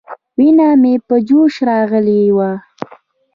وينه مې په جوش راغلې وه.